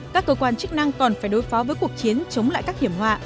các cơ quan chức năng còn phải đối phó với cuộc chiến chống lại các hiểm họa